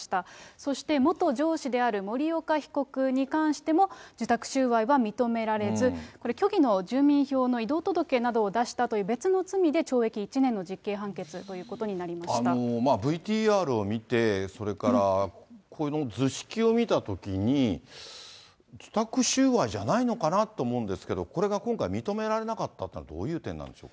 そして元上司である森岡被告に関しても受託収賄は認められず、これ、虚偽の住民票の移動届などを出したという別の罪で懲役１年の実刑ＶＴＲを見て、それからこの図式を見たときに、受託収賄じゃないのかなと思うんですけれども、これが今回認められなかったというのは、どういう点なんでしょう